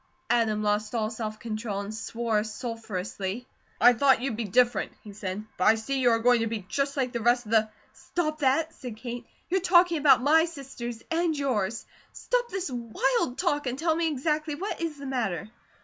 Adam lost all self control and swore sulphurously. "I thought you'd be different," he said, "but I see you are going to be just like the rest of the !" "Stop that!" said Kate. "You're talking about my sisters and yours. Stop this wild talk, and tell me exactly what is the matter."